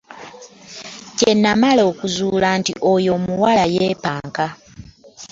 Kyenamala okuzuula nti oyo omuwala y'empanka .